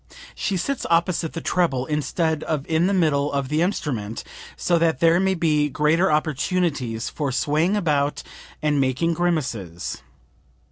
She sits opposite the treble instead of in the middle of the instrument, so that there may be greater opportunities for swaying about and making grimaces.